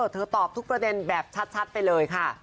ตอบทุกประเด็นแบบชัดไปเลยค่ะ